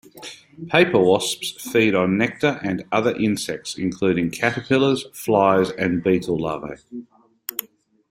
Paper wasps feed on nectar and other insects, including caterpillars, flies, and beetle larvae.